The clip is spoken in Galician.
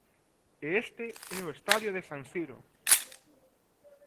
E este é o estadio de San Siro.